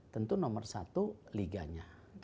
tentu nomor satu liganya